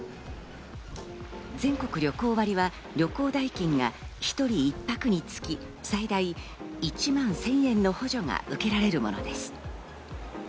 全国旅行割は旅行代金が１人１泊につき、最大１万１０００円の補助が受けられるものです。